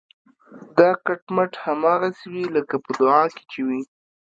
دا کټ مټ هماغسې وي لکه په دعا کې چې وي.